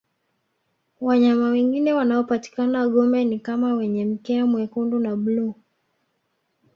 wanyama wengine wanaopatikana gombe ni kima wenye mkia mwekundu na bluu